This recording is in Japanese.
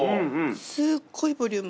すごいボリューム。